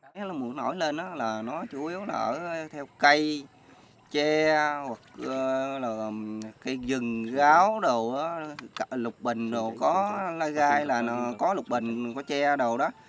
chế rắn nổi lên là nó chủ yếu là ở theo cây che hoặc là cây dừng ráo đồ lục bình đồ có lai gai là nó có lục bình có che đồ đó